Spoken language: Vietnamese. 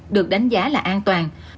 được đánh giá là an toàn